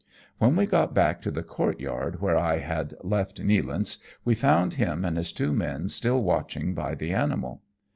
When we got back to the courtyard where I had left Nealance, we found him and his two men still watching by the animal.